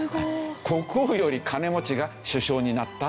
国王より金持ちが首相になった。